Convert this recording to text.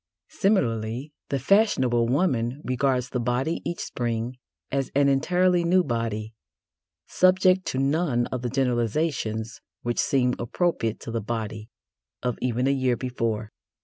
Similarly, the fashionable woman regards the body each Spring as an entirely new body, subject to none of the generalisations which seemed appropriate to the body of even a year before.